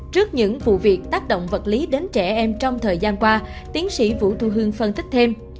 trước những vụ việc tác động vật lý đến trẻ em trong thời gian qua tiến sĩ vũ thu hương phân tích thêm